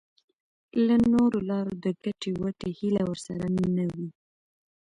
له نورو لارو د ګټې وټې هیله ورسره نه وي.